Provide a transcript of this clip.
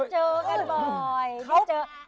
เจอกันบ่อย